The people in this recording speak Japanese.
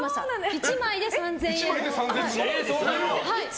１枚で３０００円の。